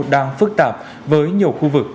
đang phức tạp với nhiều khu vực